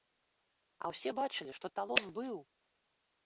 А ўсе бачылі, што талон быў!